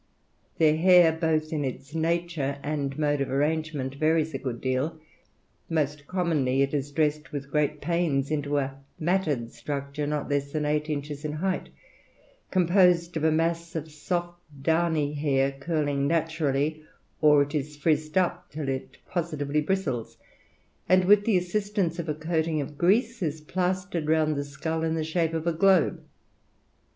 Their hair both in its nature and mode of arrangement varies a good deal. Most commonly it is dressed with great pains into a matted structure not less than eight inches in height; composed of a mass of soft downy hair curling naturally; or it is frizzed up, till it positively bristles, and with the assistance of a coating of grease, is plastered round the skull in the shape of a globe.